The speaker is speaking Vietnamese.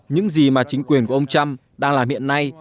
những gì mà chính quyền của ông trump đang làm hiện nay